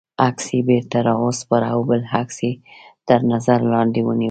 عکس یې بېرته را و سپاره او بل عکس یې تر نظر لاندې ونیوه.